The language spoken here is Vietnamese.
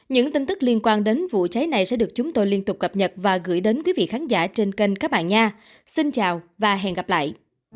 những tin tức liên quan đến vụ cháy này sẽ được chúng tôi liên tục cập nhật và gửi đến quý vị khán giả trên kênh các bạn nha xin chào và hẹn gặp lại